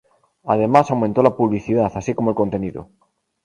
Además, aumentó la publicidad, así como el contenido.